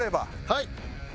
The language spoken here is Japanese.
はい。